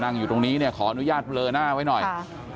อยู่ตรงนี้เนี่ยขออนุญาตเบลอหน้าไว้หน่อย